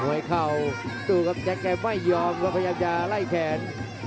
โหยเข้าตัวกับแจกแกไม่ยอมก็พยายามจะไล่แขน